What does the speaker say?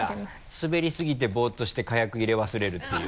スベりすぎてボっとして「かやく」入れ忘れるっていう。